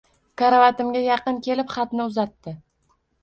Karavotimga yaqin kelib, xatni uzatdi